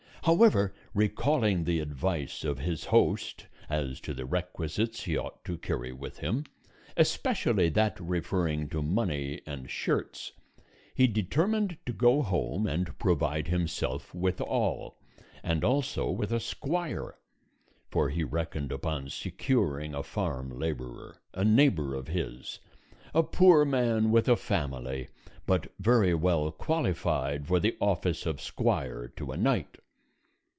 However, recalling the advice of his host as to the requisites he ought to carry with him, especially that referring to money and shirts, he determined to go home and provide himself with all, and also with a squire; for he reckoned upon securing a farm laborer, a neighbor of his, a poor man with a family, but very well qualified for the office of squire to a knight.